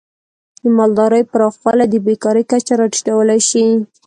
د مالدارۍ پراخوالی د بیکاری کچه راټیټولی شي.